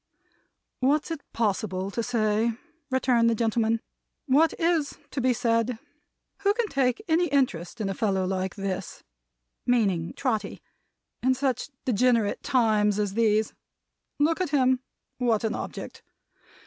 "What's it possible to say?" returned the gentleman. "What is to be said? Who can take any interest in a fellow like this," meaning Trotty, "in such degenerate times as these? Look at him! What an object!